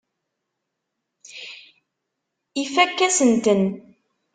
Ifakk-asen-ten.